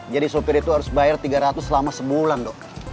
jadi sopir itu harus bayar rp tiga ratus selama sebulan do